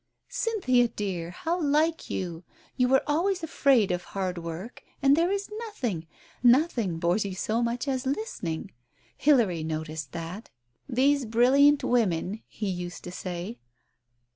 " Cynthia, dear, how like you ! You were always afraid of hard work, and there is nothing — nothing bores you so much as listening. Hilary noticed that. ' These brilliant women !' he used to say."